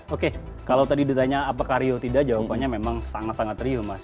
oke kalau tadi ditanya apakah riuh tidak jawabannya memang sangat sangat riuh mas